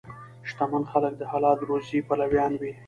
شتمن خلک د حلال روزي پلویان وي.